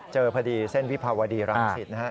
เจอพอดีเส้นวิภาวดีรังสิตนะฮะ